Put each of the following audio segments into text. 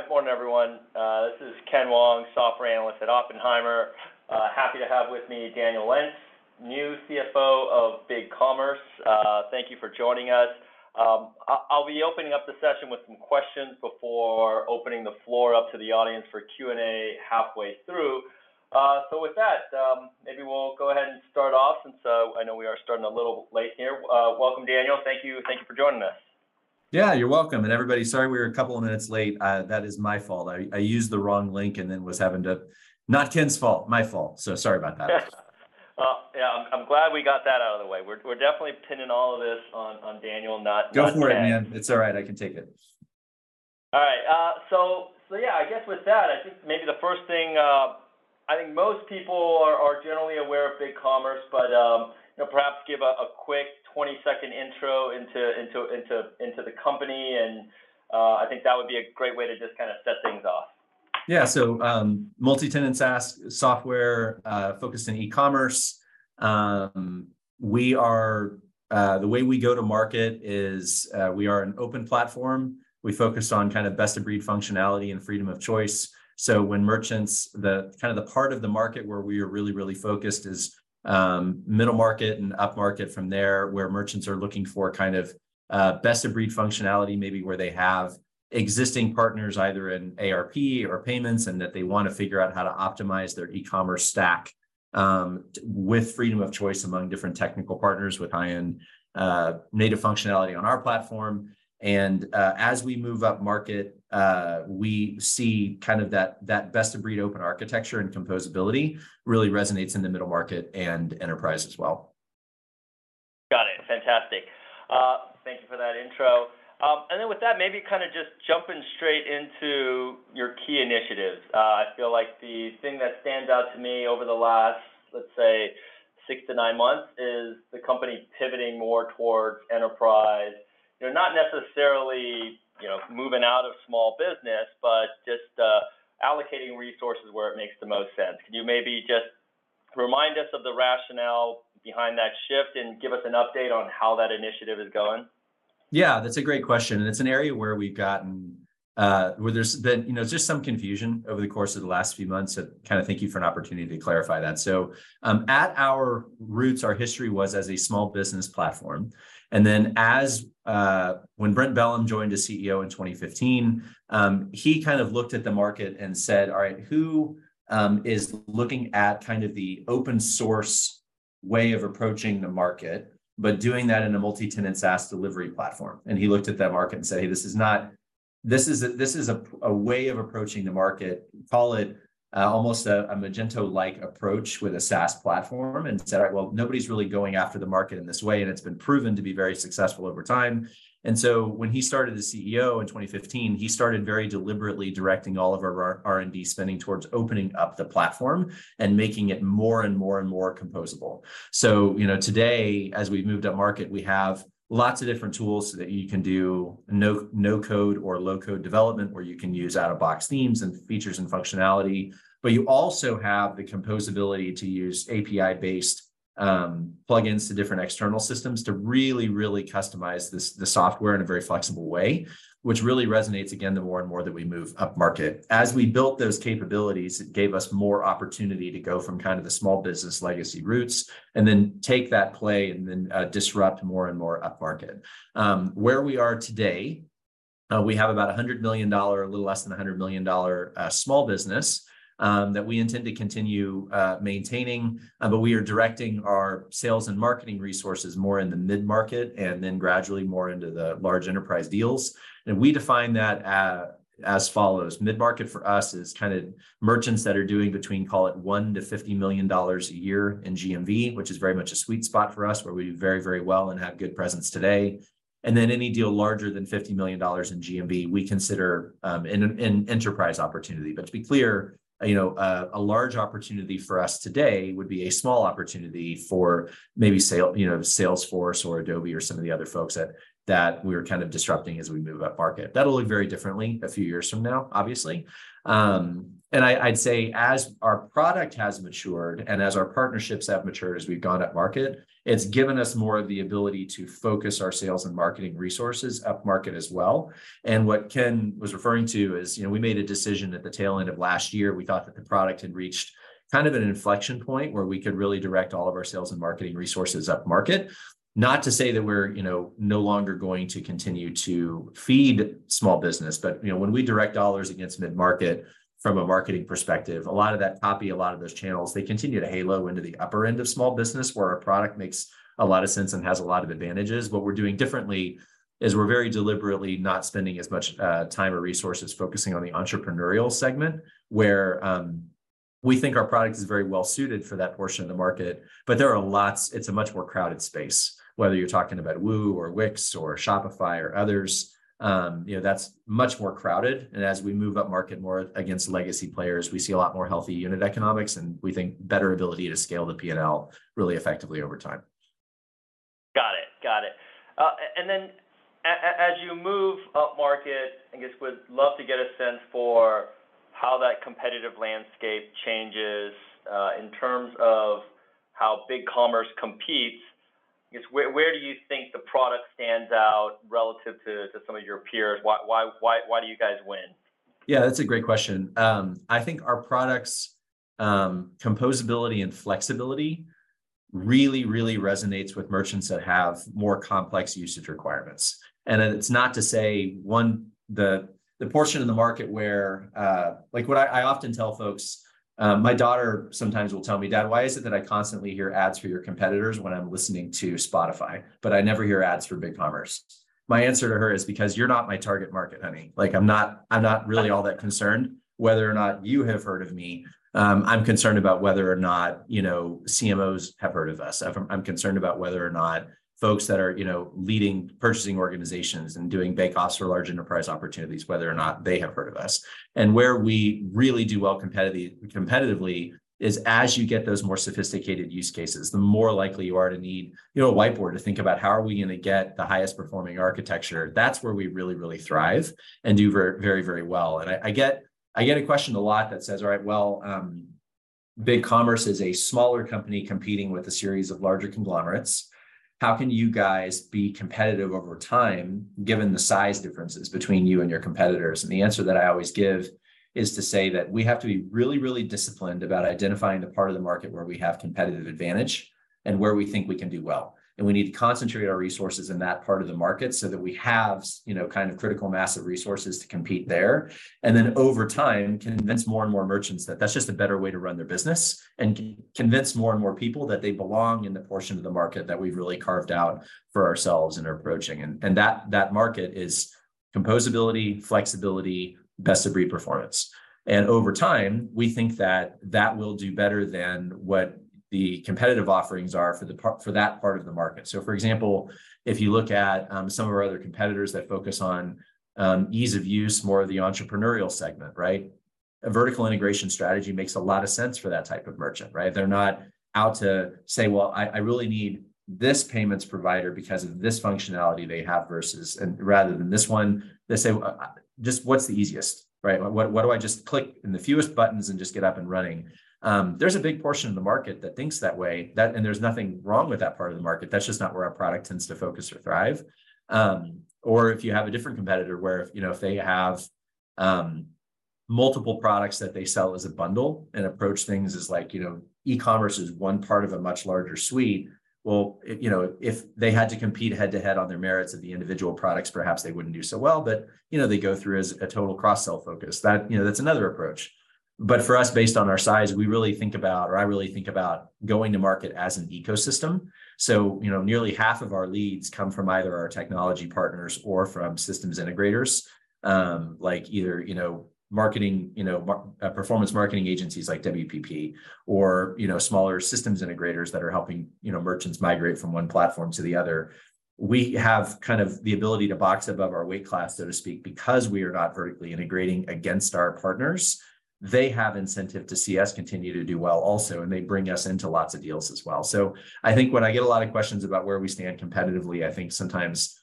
Hi, good morning, everyone. This is Ken Wong, software analyst at Oppenheimer. Happy to have with me Daniel Lentz, new CFO of BigCommerce. Thank you for joining us. I, I'll be opening up the session with some questions before opening the floor up to the audience for Q&A halfway through. With that, maybe we'll go ahead and start off. I know we are starting a little late here. Welcome, Daniel. Thank you. Thank you for joining us. Yeah, you're welcome. Everybody, sorry we were a couple of minutes late. That is my fault. I, I used the wrong link and then was having to... Not Ken's fault, my fault, sorry about that. Well, yeah, I'm, I'm glad we got that out of the way. We're, we're definitely pinning all of this on, on Daniel. Go for it, man. It's all right, I can take it. All right. Yeah, I guess with that, I think maybe the first thing, I think most people are generally aware of BigCommerce, but, you know, perhaps give a quick 20-second intro into, into, into, into the company, and I think that would be a great way to just kind of set things off. Yeah. Multi-tenant SaaS software, focused in e-commerce. The way we go to market is, we are an open platform. We focus on kind of best-of-breed functionality and freedom of choice. When merchants, the, kind of, the part of the market where we are really, really focused is, middle market and upmarket from there, where merchants are looking for kind of, best-of-breed functionality, maybe where they have existing partners, either in ERP or payments, and that they want to figure out how to optimize their e-commerce stack, with freedom of choice among different technical partners with high-end, native functionality on our platform. As we move upmarket, we see kind of that, that best-of-breed open architecture and composability really resonates in the middle market and enterprise as well. Got it. Fantastic. Thank you for that intro. Then with that, maybe kind of just jumping straight into your key initiatives. I feel like the thing that stands out to me over the last, let's say, 6 to 9 months, is the company pivoting more towards enterprise. You're not necessarily, you know, moving out of small business, but just allocating resources where it makes the most sense. Can you maybe just remind us of the rationale behind that shift, and give us an update on how that initiative is going? Yeah, that's a great question, and it's an area where we've gotten. Where there's been, you know, just some confusion over the course of the last few months. Thank you for an opportunity to clarify that. At our roots, our history was as a small business platform, and then as when Brent Bellm joined as CEO in 2015, he kind of looked at the market and said, "All right, who is looking at kind of the open source way of approaching the market, but doing that in a multi-tenant SaaS delivery platform?" He looked at that market and said, "Hey, this is a way of approaching the market," call it, almost a Magento-like approach with a SaaS platform, and said, "Well, nobody's really going after the market in this way," and it's been proven to be very successful over time. When he started as CEO in 2015, he started very deliberately directing all of our R&D spending towards opening up the platform and making it more, and more, and more composable. You know, today, as we've moved upmarket, we have lots of different tools that you can do no-code or low-code development, where you can use out-of-box themes and features and functionality, but you also have the composability to use API-based plugins to different external systems to really, really customize the software in a very flexible way, which really resonates again, the more and more that we move upmarket. As we built those capabilities, it gave us more opportunity to go from kind of the small business legacy roots, and then take that play and then disrupt more and more upmarket. Where we are today, we have about a $100 million, a little less than $100 million, small business that we intend to continue maintaining, we are directing our sales and marketing resources more in the mid-market, and then gradually more into the large enterprise deals. We define that as follows: mid-market for us is kind of merchants that are doing between, call it, $1-50 million a year in GMV, which is very much a sweet spot for us, where we do very, very well and have good presence today. Any deal larger than $50 million in GMV, we consider an enterprise opportunity. To be clear, you know, a, a large opportunity for us today would be a small opportunity for maybe, you know, Salesforce or Adobe or some of the other folks that, that we're kind of disrupting as we move upmarket. That'll look very differently a few years from now, obviously. I'd say as our product has matured and as our partnerships have matured, as we've gone upmarket, it's given us more of the ability to focus our sales and marketing resources upmarket as well. What Ken was referring to is, you know, we made a decision at the tail end of last year. We thought that the product had reached kind of an inflection point, where we could really direct all of our sales and marketing resources upmarket. Not to say that we're, you know, no longer going to continue to feed small business, but, you know, when we direct dollars against mid-market from a marketing perspective, a lot of that copy, a lot of those channels, they continue to halo into the upper end of small business, where our product makes a lot of sense and has a lot of advantages. What we're doing differently is we're very deliberately not spending as much time or resources focusing on the entrepreneurial segment, where we think our product is very well suited for that portion of the market, but there are lots... It's a much more crowded space, whether you're talking about WooCommerce or Wix, or Shopify, or others, you know, that's much more crowded. As we move upmarket more against legacy players, we see a lot more healthy unit economics, and we think better ability to scale the PNL really effectively over time. Got it. Got it. Then as you move upmarket, I guess we'd love to get a sense for how that competitive landscape changes, in terms of BigCommerce competes. Where, where do you think the product stands out relative to some of your peers? Why, why, why, why do you guys win? Yeah, that's a great question. I think our product's composability and flexibility really, really resonates with merchants that have more complex usage requirements. And then it's not to say the portion of the market where. Like, what I, I often tell folks, my daughter sometimes will tell me, "Dad, why is it that I constantly hear ads for your competitors when I'm listening to Spotify, but I never hear ads for BigCommerce?" My answer to her is, "Because you're not my target market, honey. Like, I'm not, I'm not really all that concerned whether or not you have heard of me. I'm concerned about whether or not, you know, CMOs have heard of us. I'm, I'm concerned about whether or not folks that are, you know, leading purchasing organizations and doing big costs for large enterprise opportunities, whether or not they have heard of us. Where we really do well competitively is, as you get those more sophisticated use cases, the more likely you are to need, you know, a whiteboard to think about: How are we going to get the highest performing architecture? That's where we really, really thrive and do very, very well. I, I get, I get a question a lot that says, "All right, well, BigCommerce is a smaller company competing with a series of larger conglomerates. How can you guys be competitive over time, given the size differences between you and your competitors?" The answer that I always give is to say that we have to be really, really disciplined about identifying the part of the market where we have competitive advantage and where we think we can do well. We need to concentrate our resources in that part of the market so that we have you know, kind of critical mass of resources to compete there. Then, over time, convince more and more merchants that that's just the better way to run their business, and convince more and more people that they belong in the portion of the market that we've really carved out for ourselves and are approaching. That, that market is composability, flexibility, best-of-breed performance. Over time, we think that that will do better than what the competitive offerings are for that part of the market. For example, if you look at some of our other competitors that focus on ease of use, more of the entrepreneurial segment, right? A vertical integration strategy makes a lot of sense for that type of merchant, right? They're not out to say, "Well, I, I really need this payments provider because of this functionality they have," versus... Rather than this one, they say, "Just what's the easiest?" Right? "What, what do I just click in the fewest buttons and just get up and running?" There's a big portion of the market that thinks that way. There's nothing wrong with that part of the market. That's just not where our product tends to focus or thrive. If you have a different competitor where, you know, if they have multiple products that they sell as a bundle and approach things as like, you know, e-commerce is one part of a much larger suite, well, you know, if they had to compete head-to-head on the merits of the individual products, perhaps they wouldn't do so well. You know, they go through as a total cross-sell focus. That. You know, that's another approach. For us, based on our size, we really think about, or I really think about, going to market as an ecosystem. You know, nearly half of our leads come from either our technology partners or from systems integrators. Like either, you know, marketing, you know, performance marketing agencies like WPP or, you know, smaller systems integrators that are helping, you know, merchants migrate from one platform to the other. We have kind of the ability to box above our weight class, so to speak. Because we are not vertically integrating against our partners, they have incentive to see us continue to do well also, and they bring us into lots of deals as well. I think when I get a lot of questions about where we stand competitively, I think sometimes,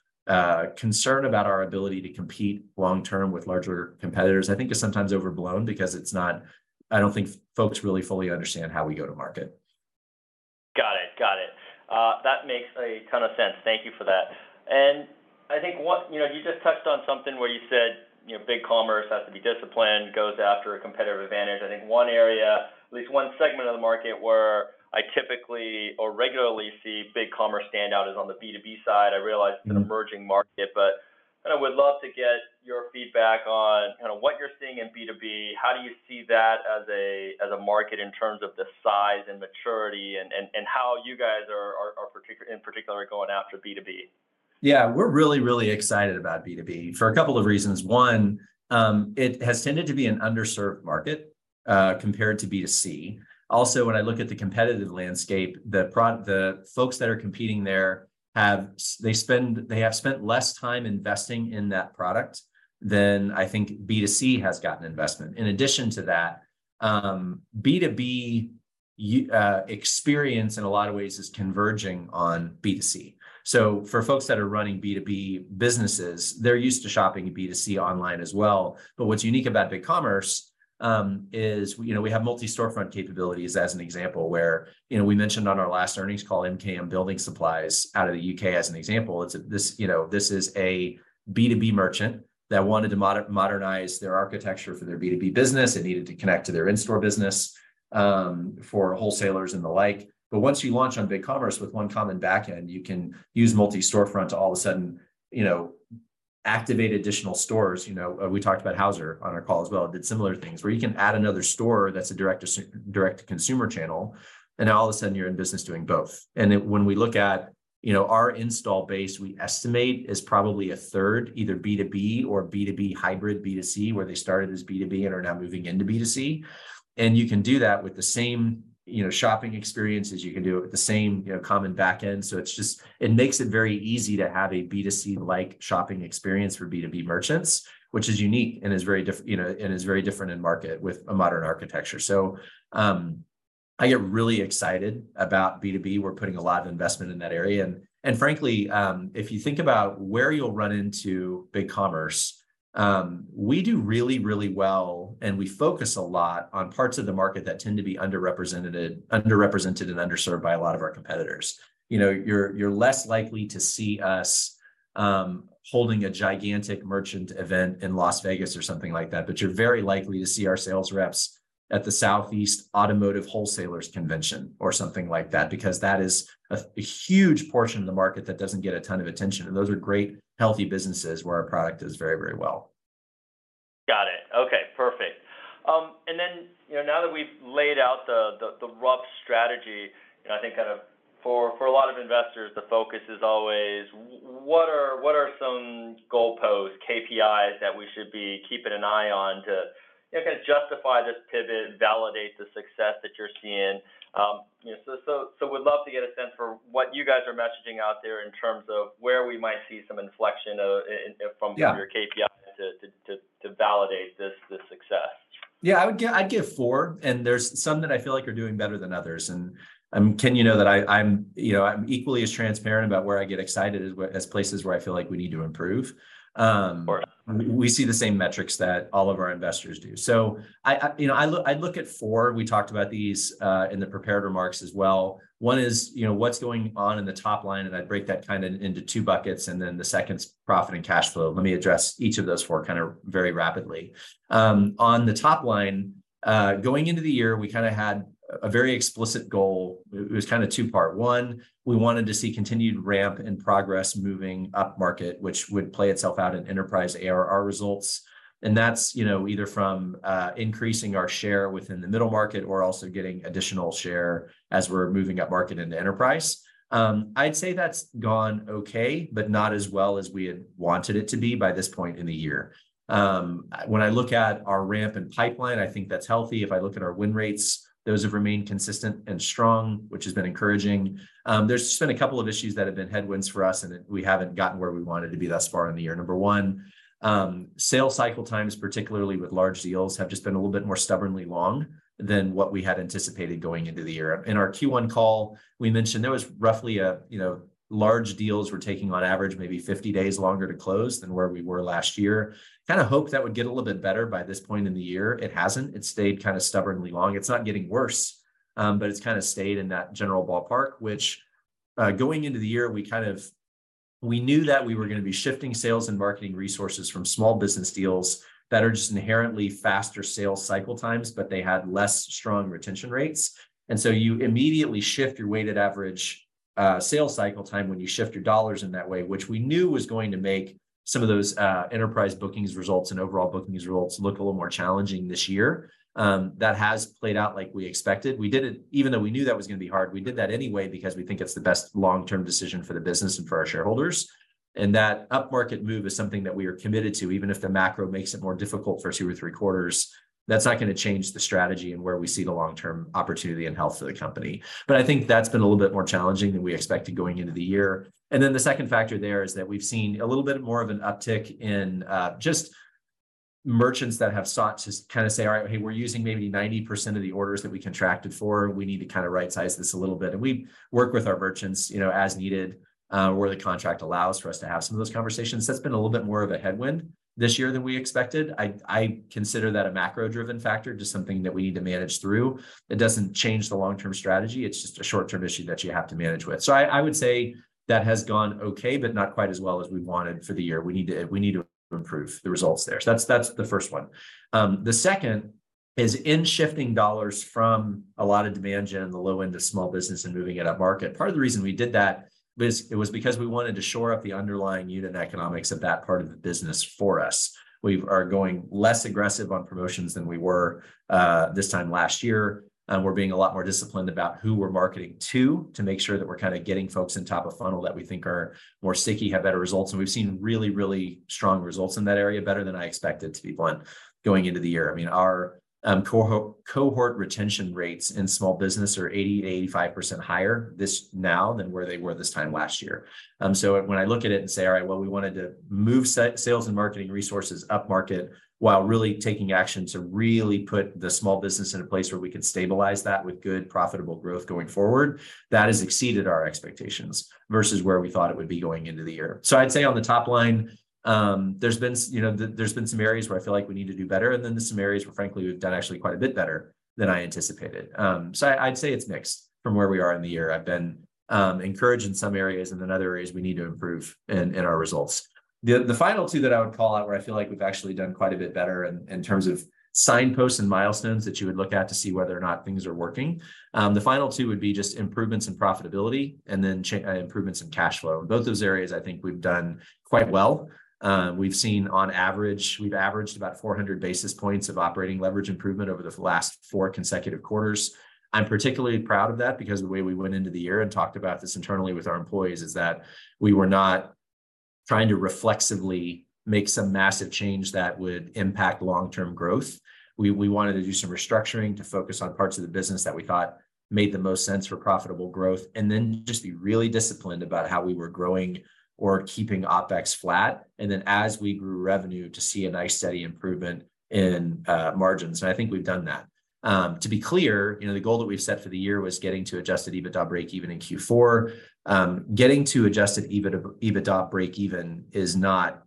concern about our ability to compete long-term with larger competitors, I think is sometimes overblown because it's not. I don't think folks really fully understand how we go to market. Got it. Got it. that makes a ton of sense. Thank you for that. I think one... You know, you just touched on something where you said, you know, BigCommerce has to be disciplined, goes after a competitive advantage. I think one area, at least one segment of the market, where I typically or regularly see BigCommerce stand out, is on the B2B side. I realize- Mm... it's an emerging market, but and I would love to get your feedback on kind of what you're seeing in B2B. How do you see that as a market in terms of the size and maturity and how you guys are in particular going after B2B? Yeah. We're really, really excited about B2B for a couple of reasons. One, it has tended to be an underserved market, compared to B2C. Also, when I look at the competitive landscape, the folks that are competing there have spent less time investing in that product than I think B2C has gotten investment. In addition to that, B2B experience in a lot of ways is converging on B2C. For folks that are running B2B businesses, they're used to shopping B2C online as well. What's unique about BigCommerce, is, you know, we have multi-storefront capabilities as an example, where, you know, we mentioned on our last earnings call, MKM Building Supplies out of the UK as an example. It's this, you know, this is a B2B merchant that wanted to modernize their architecture for their B2B business and needed to connect to their in-store business for wholesalers and the like. Once you launch on BigCommerce with one common back-end, you can use multi-storefront to all of a sudden, you know, activate additional stores. You know, we talked about Hauser on our call as well, did similar things, where you can add another store that's a direct-to-consumer channel, and now all of a sudden you're in business doing both. When we look at, you know, our install base, we estimate is probably a third, either B2B or B2B hybrid, B2C, where they started as B2B and are now moving into B2C. You can do that with the same, you know, shopping experience as you can do it with the same, you know, common back-end. It's just. It makes it very easy to have a B2C-like shopping experience for B2B merchants, which is unique and is very different, you know, and is very different in market with a modern architecture. I get really excited about B2B. We're putting a lot of investment in that area, and frankly, if you think about where you'll run into BigCommerce, we do really, really well, and we focus a lot on parts of the market that tend to be underrepresented, underrepresented and underserved by a lot of our competitors. You know, you're, you're less likely to see us. Holding a gigantic merchant event in Las Vegas or something like that, but you're very likely to see our sales reps at the Southeast Automotive Wholesalers convention or something like that, because that is a, a huge portion of the market that doesn't get a ton of attention, and those are great, healthy businesses where our product does very, very well. Got it. Okay, perfect. Then, you know, now that we've laid out the, the, the rough strategy, you know, I think kind of for, for a lot of investors, the focus is always what are, what are some goalposts, KPIs that we should be keeping an eye on to, you know, kind of justify this pivot and validate the success that you're seeing? You know, so, so, so we'd love to get a sense for what you guys are messaging out there in terms of where we might see some inflection? Yeah... your KPI to, to, to, to validate this, this success. Yeah, I'd give four, there's some that I feel like are doing better than others. Ken, you know, that I, I'm, you know, I'm equally as transparent about where I get excited as places where I feel like we need to improve. Sure. We see the same metrics that all of our investors do. I, you know, I look, I look at four. We talked about these in the prepared remarks as well. One is, you know, what's going on in the top line, and I'd break that kind of into two buckets, and then the second is profit and cash flow. Let me address each of those four kind of very rapidly. On the top line, going into the year, we kind of had a very explicit goal. It was kind of two-part. One, we wanted to see continued ramp and progress moving upmarket, which would play itself out in enterprise ARR results, and that's, you know, either from increasing our share within the middle market or also getting additional share as we're moving upmarket into enterprise. I'd say that's gone okay, but not as well as we had wanted it to be by this point in the year. When I look at our ramp and pipeline, I think that's healthy. If I look at our win rates, those have remained consistent and strong, which has been encouraging. There's just been a couple of issues that have been headwinds for us, and we haven't gotten where we wanted to be thus far in the year. Number one, sales cycle times, particularly with large deals, have just been a little bit more stubbornly long than what we had anticipated going into the year. In our Q1 call, we mentioned there was roughly a, you know, large deals were taking, on average, maybe 50 days longer to close than where we were last year. Kind of hoped that would get a little bit better by this point in the year. It hasn't. It's stayed kind of stubbornly long. It's not getting worse, but it's kind of stayed in that general ballpark, which, going into the year, we kind of. We knew that we were going to be shifting sales and marketing resources from small business deals that are just inherently faster sales cycle times, but they had less strong retention rates. So you immediately shift your weighted average sales cycle time when you shift your dollars in that way, which we knew was going to make some of those enterprise bookings results and overall bookings results look a little more challenging this year. That has played out like we expected. We did it. Even though we knew that was going to be hard, we did that anyway because we think it's the best long-term decision for the business and for our shareholders. That upmarket move is something that we are committed to, even if the macro makes it more difficult for two or three quarters, that's not going to change the strategy and where we see the long-term opportunity and health of the company. I think that's been a little bit more challenging than we expected going into the year. Then the second factor there is that we've seen a little bit more of an uptick in just merchants that have sought to kind of say, "All right, hey, we're using maybe 90% of the orders that we contracted for. We need to kind of right-size this a little bit." We work with our merchants, you know, as needed, where the contract allows for us to have some of those conversations. That's been a little bit more of a headwind this year than we expected. I, I consider that a macro-driven factor, just something that we need to manage through. It doesn't change the long-term strategy. It's just a short-term issue that you have to manage with. I, I would say that has gone okay, but not quite as well as we wanted for the year. We need to, we need to improve the results there. That's, that's the first one. The second is in shifting dollars from a lot of demand gen on the low end to small business and moving it upmarket. Part of the reason we did that was, it was because we wanted to shore up the underlying unit economics of that part of the business for us. We are going less aggressive on promotions than we were this time last year, and we're being a lot more disciplined about who we're marketing to, to make sure that we're kind of getting folks in top of funnel that we think are more sticky, have better results, and we've seen really, really strong results in that area, better than I expected, to be blunt, going into the year. I mean, our cohort, cohort retention rates in small business are 80% to 85% higher this now than where they were this time last year. When I look at it and say, all right, well, we wanted to move sales and marketing resources upmarket, while really taking action to really put the small business in a place where we could stabilize that with good, profitable growth going forward, that has exceeded our expectations versus where we thought it would be going into the year. I'd say on the top line, there's been, you know, there's been some areas where I feel like we need to do better, and then there's some areas where, frankly, we've done actually quite a bit better than I anticipated. I, I'd say it's mixed from where we are in the year. I've been encouraged in some areas, and then other areas we need to improve in, in our results. The final two that I would call out, where I feel like we've actually done quite a bit better in, in terms of signposts and milestones that you would look at to see whether or not things are working, the final two would be just improvements in profitability and then improvements in cash flow. In both those areas, I think we've done quite well. We've seen on average, we've averaged about 400 basis points of operating leverage improvement over the last 4 consecutive quarters. I'm particularly proud of that, because the way we went into the year and talked about this internally with our employees is that we were not trying to reflexively make some massive change that would impact long-term growth. We wanted to do some restructuring to focus on parts of the business that we thought made the most sense for profitable growth. Then just be really disciplined about how we were growing or keeping OpEx flat. Then, as we grew revenue, to see a nice, steady improvement in margins, and I think we've done that. To be clear, you know, the goal that we've set for the year was getting to adjusted EBITDA breakeven in Q4. Getting to adjusted EBITDA, EBITDA breakeven is not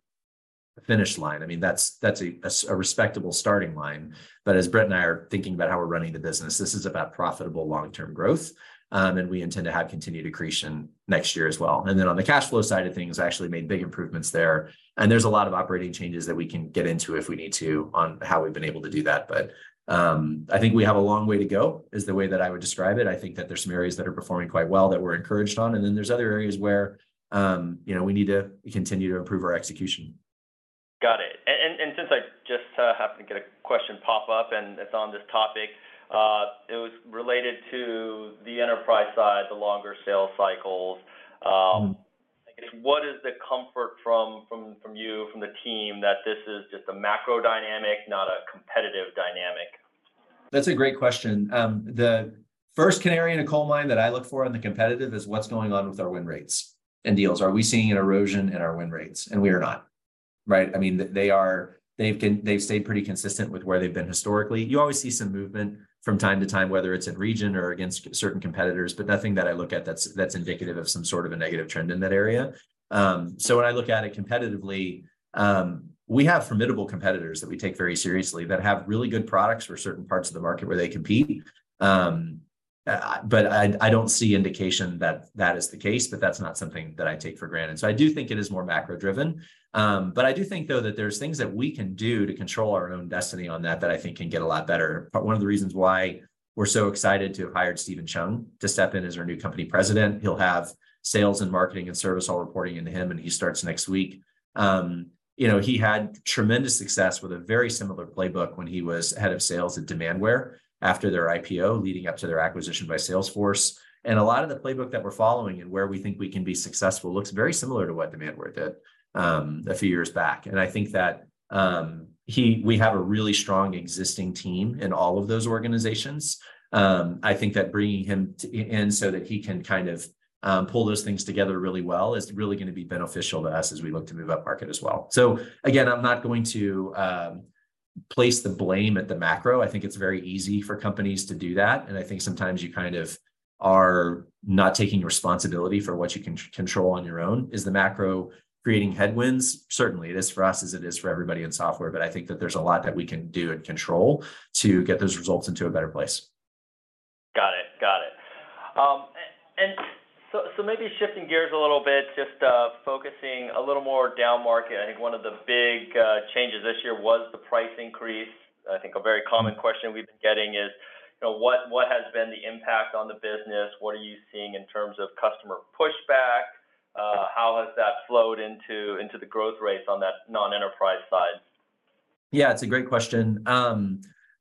the finish line. I mean, that's, that's a respectable starting line. As Brent Bellm and I are thinking about how we're running the business, this is about profitable long-term growth, and we intend to have continued accretion next year as well. Then on the cash flow side of things, actually made big improvements there, and there's a lot of operating changes that we can get into if we need to, on how we've been able to do that. I think we have a long way to go, is the way that I would describe it. I think that there's some areas that are performing quite well that we're encouraged on, and then there's other areas where, you know, we need to continue to improve our execution. Got it. and, and since I just happened to get a question pop up, and it's on this topic, it was related to the enterprise side, the longer sales cycles. Mm. I guess, what is the comfort from, from, from you, from the team, that this is just a macro dynamic, not a competitive dynamic? That's a great question. The first canary in a coal mine that I look for on the competitive is, what's going on with our win rates and deals? Are we seeing an erosion in our win rates? We are not, right? I mean, they are... They've stayed pretty consistent with where they've been historically. You always see some movement from time to time, whether it's in region or against certain competitors, but nothing that I look at that's, that's indicative of some sort of a negative trend in that area. When I look at it competitively, we have formidable competitors that we take very seriously, that have really good products for certain parts of the market where they compete. I, I don't see indication that that is the case, but that's not something that I take for granted. I do think it is more macro-driven. I do think, though, that there's things that we can do to control our own destiny on that, that I think can get a lot better. One of the reasons why we're so excited to have hired Steven Chung to step in as our new company president, he'll have sales and marketing and service all reporting into him, and he starts next week. You know, he had tremendous success with a very similar playbook when he was head of sales at Demandware, after their IPO, leading up to their acquisition by Salesforce. A lot of the playbook that we're following and where we think we can be successful, looks very similar to what Demandware did, a few years back. I think that he-- we have a really strong existing team in all of those organizations. I think that bringing him t- in, so that he can kind of pull those things together really well, is really gonna be beneficial to us as we look to move upmarket as well. Again, I'm not going to place the blame at the macro. I think it's very easy for companies to do that, and I think sometimes you kind of are not taking responsibility for what you can con-control on your own. Is the macro creating headwinds? Certainly, it is for us, as it is for everybody in software, but I think that there's a lot that we can do and control to get those results into a better place. Got it. Got it. maybe shifting gears a little bit, just, focusing a little more downmarket. I think one of the big changes this year was the price increase. I think a very common question we've been getting is, you know: What, what has been the impact on the business? What are you seeing in terms of customer pushback? How has that flowed into, into the growth rates on that non-enterprise side? Yeah, it's a great question.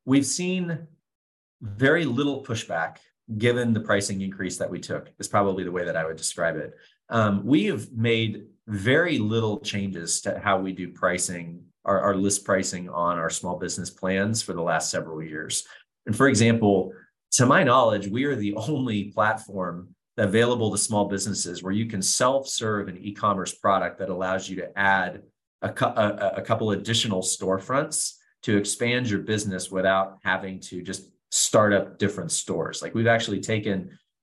We've seen very little pushback, given the pricing increase that we took, is probably the way that I would describe it. We have made very little changes to how we do pricing, our, our list pricing on our small business plans for the last several years. For example, to my knowledge, we are the only platform available to small businesses, where you can self-serve an ecommerce product that allows you to add a couple additional storefronts, to expand your business without having to just start up different stores. Like, we've actually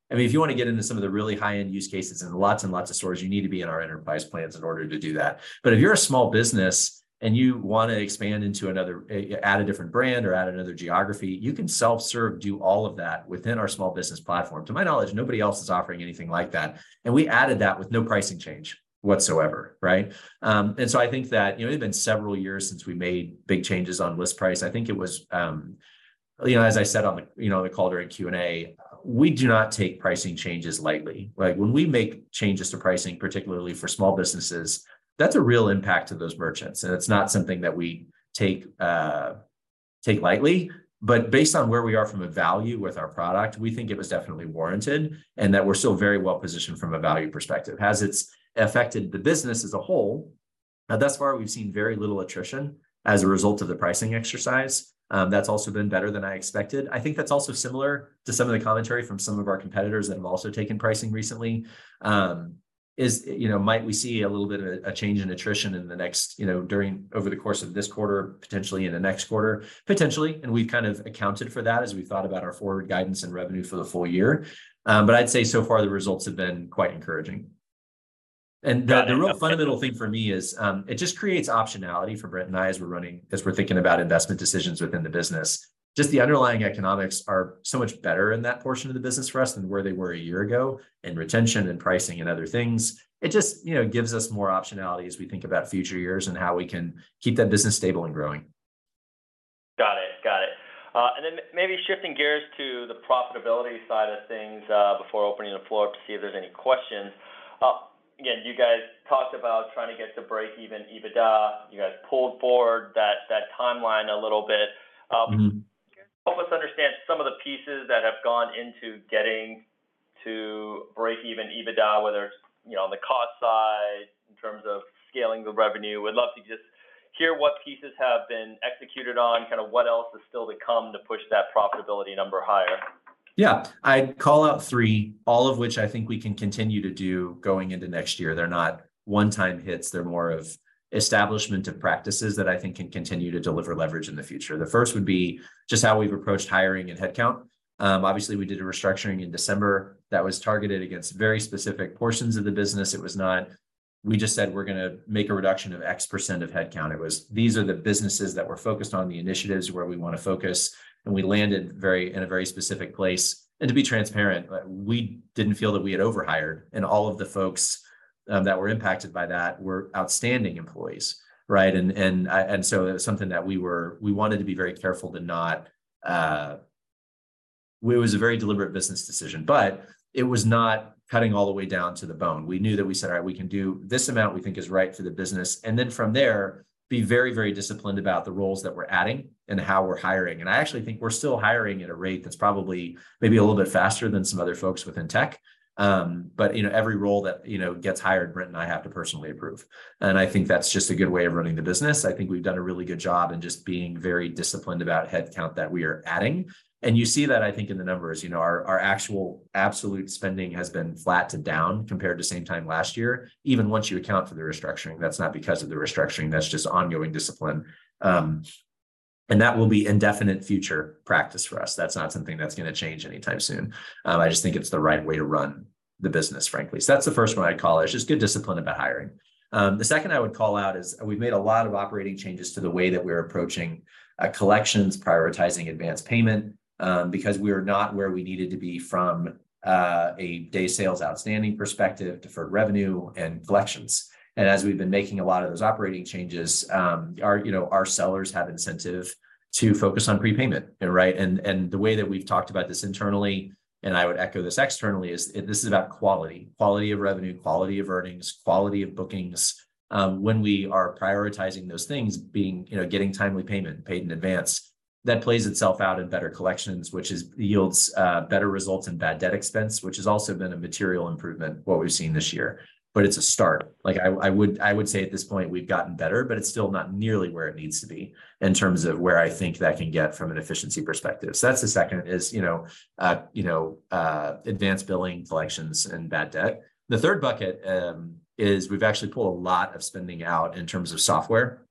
I mean, if you want to get into some of the really high-end use cases and lots and lots of stores, you need to be in our enterprise plans in order to do that. If you're a small business and you want to expand into another, add a different brand or add another geography, you can self-serve, do all of that within our small business platform. To my knowledge, nobody else is offering anything like that, and we added that with no pricing change whatsoever, right? I think that, you know, it's been several years since we made big changes on list price. I think it was, you know, as I said on the, you know, on the call during Q&A, we do not take pricing changes lightly. When we make changes to pricing, particularly for small businesses, that's a real impact to those merchants, and it's not something that we take, take lightly. Based on where we are from a value with our product, we think it was definitely warranted, and that we're still very well positioned from a value perspective. Has it affected the business as a whole? Thus far, we've seen very little attrition as a result of the pricing exercise. That's also been better than I expected. I think that's also similar to some of the commentary from some of our competitors that have also taken pricing recently. You know, might we see a little bit of a change in attrition during, over the course of this quarter, potentially in the next quarter? Potentially, we've kind of accounted for that as we've thought about our forward guidance and revenue for the full year. I'd say so far the results have been quite encouraging. And the- Got it.... the real fundamental thing for me is, it just creates optionality for Brent and I, as we're thinking about investment decisions within the business. Just the underlying economics are so much better in that portion of the business for us than where they were a year ago, in retention and pricing and other things. It just, you know, gives us more optionality as we think about future years, and how we can keep that business stable and growing. Got it. Got it. Maybe shifting gears to the profitability side of things, before opening the floor up to see if there's any questions. Again, you guys talked about trying to get to break even EBITDA. You guys pulled forward that, that timeline a little bit. Mm-hmm... Almost understand some of the pieces that have gone into getting to break even EBITDA, whether it's, you know, on the cost side, in terms of scaling the revenue. We'd love to just hear what pieces have been executed on, kind of what else is still to come, to push that profitability number higher. Yeah. I'd call out 3, all of which I think we can continue to do going into next year. They're not one-time hits. They're more of establishment of practices that I think can continue to deliver leverage in the future. The first would be just how we've approached hiring and headcount. Obviously, we did a restructuring in December that was targeted against very specific portions of the business. It was not, "We just said we're gonna make a reduction of X% of headcount." It was, "These are the businesses that we're focused on, the initiatives where we wanna focus," and we landed in a very specific place. And to be transparent, we didn't feel that we had overhired, and all of the folks that were impacted by that were outstanding employees, right? It was something that we wanted to be very careful to not, it was a very deliberate business decision, but it was not cutting all the way down to the bone. We knew that we said, "All right, we can do this amount we think is right for the business," and then from there, be very, very disciplined about the roles that we're adding and how we're hiring. I actually think we're still hiring at a rate that's probably maybe a little bit faster than some other folks within tech. You know, every role that, you know, gets hired, Brent and I have to personally approve, and I think that's just a good way of running the business. I think we've done a really good job in just being very disciplined about headcount that we are adding. You see that, I think, in the numbers. You know, our, our actual absolute spending has been flat to down compared to same time last year, even once you account for the restructuring. That's not because of the restructuring, that's just ongoing discipline. And that will be indefinite future practice for us. That's not something that's gonna change anytime soon. I just think it's the right way to run the business, frankly. That's the first one I'd call is, just good discipline about hiring. The second I would call out is, we've made a lot of operating changes to the way that we're approaching, collections, prioritizing advanced payment, because we are not where we needed to be from, a day sales outstanding perspective, deferred revenue, and collections. As we've been making a lot of those operating changes, our, you know, our sellers have incentive to focus on prepayment, right? The way that we've talked about this internally, and I would echo this externally, is this is about quality. Quality of revenue, quality of earnings, quality of bookings. When we are prioritizing those things, being, you know, getting timely payment, paid in advance, that plays itself out in better collections, yields better results in bad debt expense, which has also been a material improvement, what we've seen this year. It's a start. Like, I, I would, I would say at this point, we've gotten better, but it's still not nearly where it needs to be in terms of where I think that can get from an efficiency perspective. That's the second, is, you know, you know, advanced billing, collections, and bad debt. The third bucket is we've actually pulled a lot of spending out in terms of software.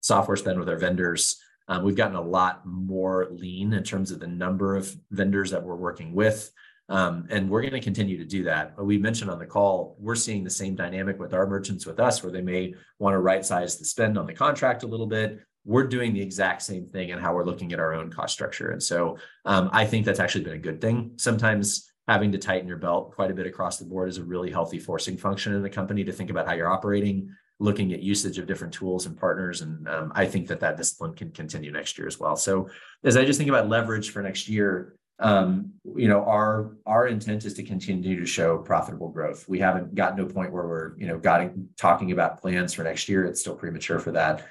Software spend with our vendors, we've gotten a lot more lean in terms of the number of vendors that we're working with, and we're gonna continue to do that. We mentioned on the call, we're seeing the same dynamic with our merchants with us, where they may wanna rightsize the spend on the contract a little bit. We're doing the exact same thing in how we're looking at our own cost structure, and so I think that's actually been a good thing. Sometimes having to tighten your belt quite a bit across the board is a really healthy forcing function in the company to think about how you're operating, looking at usage of different tools and partners, and I think that that discipline can continue next year as well. As I just think about leverage for next year, you know, our, our intent is to continue to show profitable growth. We haven't gotten to a point where we're, you know, guiding, talking about plans for next year. It's still premature for that.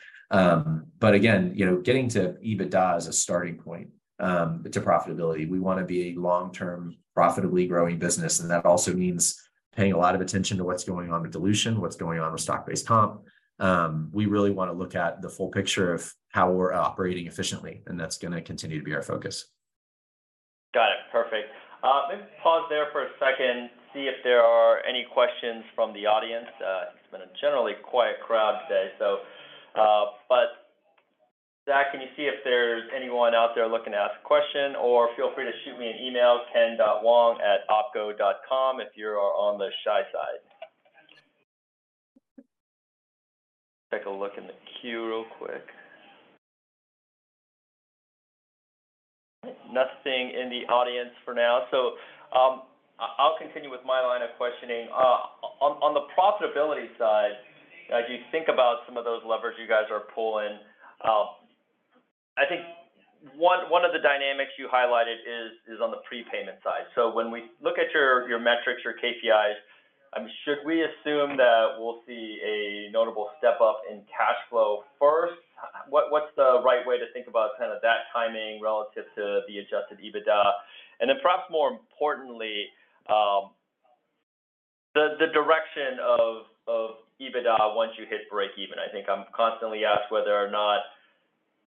Again, you know, getting to EBITDA as a starting point to profitability. We wanna be a long-term, profitably growing business, and that also means paying a lot of attention to what's going on with dilution, what's going on with stock-based comp. We really wanna look at the full picture of how we're operating efficiently, and that's gonna continue to be our focus. Got it. Perfect. Maybe pause there for a second, see if there are any questions from the audience. It's been a generally quiet crowd today, so. Zach, can you see if there's anyone out there looking to ask a question? Feel free to shoot me an email, ken.wong@opco.com, if you're on the shy side. Take a look in the queue real quick. Nothing in the audience for now. I'll continue with my line of questioning. On the profitability side, as you think about some of those levers you guys are pulling, I think one of the dynamics you highlighted is on the prepayment side. When we look at your, your metrics, your KPIs, should we assume that we'll see a notable step up in cash flow first? What, what's the right way to think about kind of that timing relative to the adjusted EBITDA? Then perhaps more importantly, the direction of EBITDA once you hit breakeven. I think I'm constantly asked whether or not,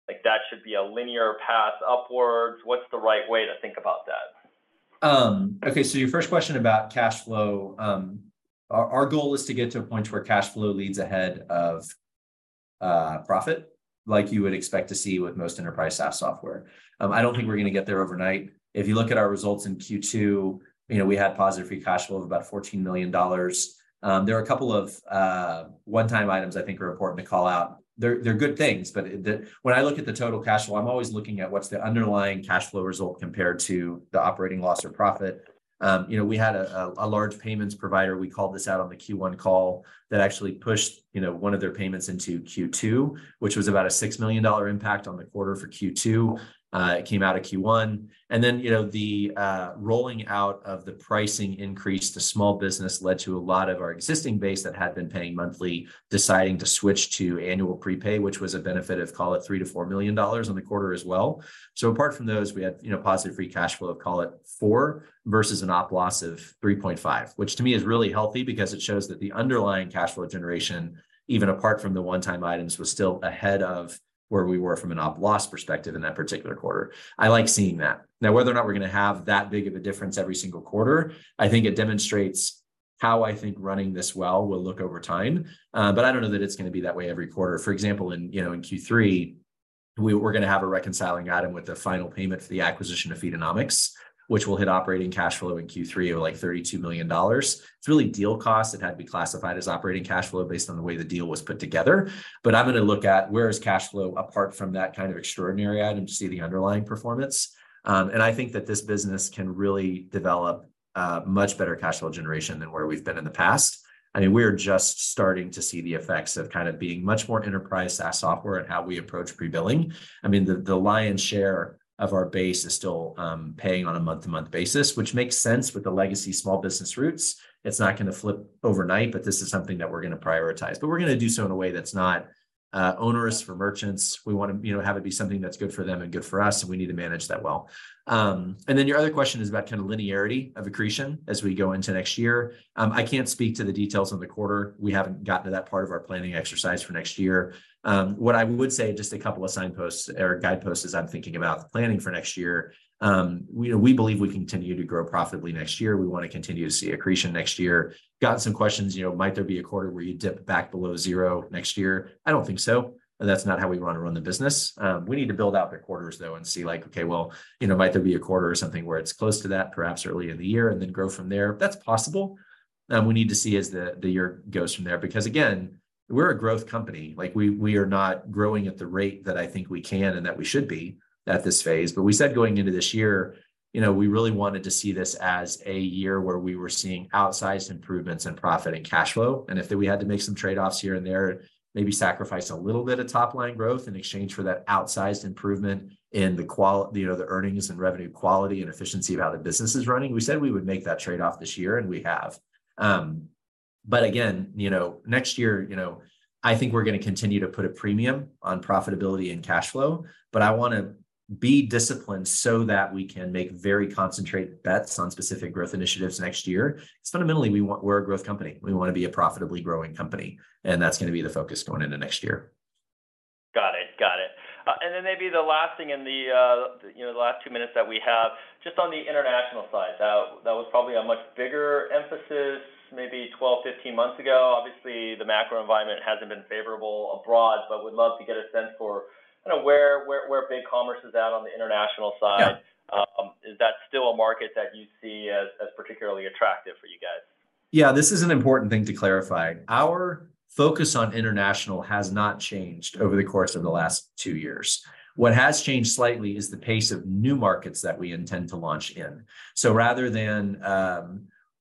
like, that should be a linear path upwards. What's the right way to think about that? Okay, your first question about cash flow, our goal is to get to a point where cash flow leads ahead of profit, like you would expect to see with most enterprise SaaS software. I don't think we're gonna get there overnight. If you look at our results in Q2, you know, we had positive free cash flow of about $14 million. There are a couple of one-time items I think are important to call out. They're, they're good things. When I look at the total cash flow, I'm always looking at what's the underlying cash flow result compared to the operating loss or profit. You know, we had a, a, a large payments provider, we called this out on the Q1 call, that actually pushed, you know, one of their payments into Q2, which was about a $6 million impact on the quarter for Q2. It came out of Q1. You know, the rolling out of the pricing increase to small business led to a lot of our existing base that had been paying monthly, deciding to switch to annual prepay, which was a benefit of, call it, $3-4 million on the quarter as well. Apart from those, we had, you know, positive free cash flow of, call it, $4 million, versus an op loss of $3.5 million. Which to me is really healthy, because it shows that the underlying cash flow generation, even apart from the one-time items, was still ahead of where we were from an op loss perspective in that particular quarter. I like seeing that. Whether or not we're gonna have that big of a difference every single quarter, I think it demonstrates how I think running this well will look over time. I don't know that it's gonna be that way every quarter. For example, in, you know, in Q3, we're gonna have a reconciling item with the final payment for the acquisition of Feedonomics, which will hit operating cash flow in Q3 of $32 million. It's really deal costs that had to be classified as operating cash flow based on the way the deal was put together. I'm gonna look at where is cash flow apart from that kind of extraordinary item to see the underlying performance. And I think that this business can really develop much better cash flow generation than where we've been in the past. I mean, we're just starting to see the effects of kind of being much more enterprise SaaS software in how we approach pre-billing. I mean, the, the lion's share of our base is still paying on a month-to-month basis, which makes sense with the legacy small business routes. It's not gonna flip overnight, but this is something that we're gonna prioritize. We're gonna do so in a way that's not onerous for merchants. We wanna, you know, have it be something that's good for them and good for us, and we need to manage that well. Then your other question is about kind of linearity of accretion as we go into next year. I can't speak to the details of the quarter. We haven't gotten to that part of our planning exercise for next year. What I would say, just a couple of signposts or guideposts as I'm thinking about planning for next year, we know-- we believe we can continue to grow profitably next year. We wanna continue to see accretion next year. Got some questions, you know, might there be a quarter where you dip back below zero next year? I don't think so, and that's not how we wanna run the business. We need to build out the quarters, though, and see, like, okay, well, you know, might there be a quarter or something where it's close to that, perhaps early in the year, and then grow from there? That's possible, we need to see as the, the year goes from there. Because, again, we're a growth company. Like, we, we are not growing at the rate that I think we can and that we should be at this phase. We said going into this year, you know, we really wanted to see this as a year where we were seeing outsized improvements in profit and cash flow, and that we had to make some trade-offs here and there, maybe sacrifice a little bit of top-line growth in exchange for that outsized improvement in the you know, the earnings and revenue quality and efficiency of how the business is running. We said we would make that trade-off this year, and we have. Again, you know, next year, you know, I think we're gonna continue to put a premium on profitability and cash flow, but I wanna be disciplined so that we can make very concentrated bets on specific growth initiatives next year. Fundamentally, we we're a growth company. We wanna be a profitably growing company, and that's gonna be the focus going into next year. Got it. Got it. Then maybe the last thing in the, you know, the last two minutes that we have, just on the international side, that, that was probably a much bigger emphasis maybe 12, 15 months ago. Obviously, the macro environment hasn't been favorable abroad, but would love to get a sense for kinda where, where, where BigCommerce is at on the international side. Yeah. Is that still a market that you see as, as particularly attractive for you guys? Yeah, this is an important thing to clarify. Our focus on international has not changed over the course of the last two years. What has changed slightly is the pace of new markets that we intend to launch in. So rather than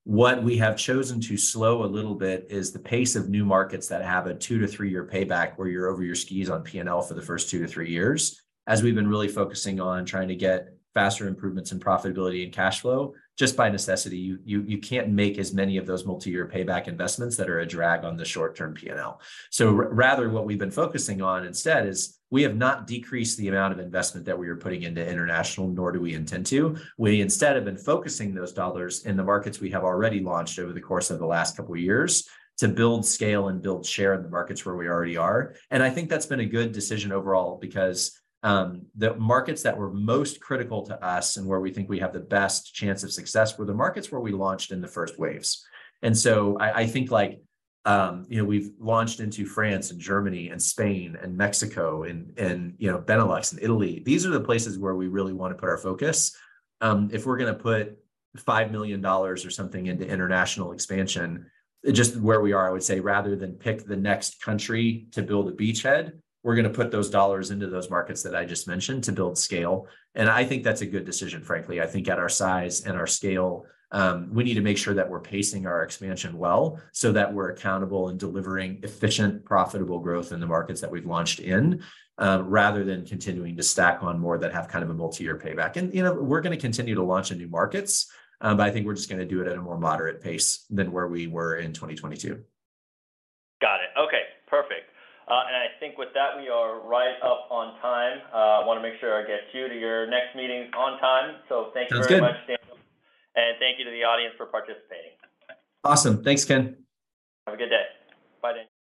what we have chosen to slow a little bit is the pace of new markets that have a two- to three-year payback, where you're over your skis on PNL for the first two to three years. As we've been really focusing on trying to get faster improvements in profitability and cash flow, just by necessity, you, you, you can't make as many of those multi-year payback investments that are a drag on the short-term PNL. So rather, what we've been focusing on instead is, we have not decreased the amount of investment that we are putting into international, nor do we intend to. We instead have been focusing those dollars in the markets we have already launched over the course of the last couple of years to build scale and build share in the markets where we already are. I think that's been a good decision overall because the markets that were most critical to us and where we think we have the best chance of success, were the markets where we launched in the first waves. I think, like, you know, we've launched into France and Germany and Spain and Mexico and, and, you know, Benelux and Italy. These are the places where we really wanna put our focus. If we're gonna put $5 million or something into international expansion, just where we are, I would say, rather than pick the next country to build a beachhead, we're gonna put those dollars into those markets that I just mentioned to build scale, and I think that's a good decision, frankly. I think at our size and our scale, we need to make sure that we're pacing our expansion well so that we're accountable in delivering efficient, profitable growth in the markets that we've launched in, rather than continuing to stack on more that have kind of a multi-year payback. You know, we're gonna continue to launch in new markets, but I think we're just gonna do it at a more moderate pace than where we were in 2022. Got it. Okay, perfect. I think with that, we are right up on time. I wanna make sure I get you to your next meeting on time. Sounds good. Thank you very much, Daniel, and thank you to the audience for participating. Awesome. Thanks, Ken. Have a good day. Bye then.